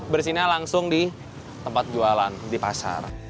bersihnya langsung di tempat jualan di pasar